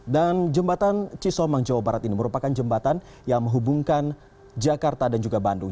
dan jembatan cisomang jawa barat ini merupakan jembatan yang menghubungkan jakarta dan juga bandung